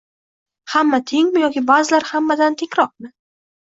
Hamma tengmi yoki ba’zilar hammadan «tengroq»mi?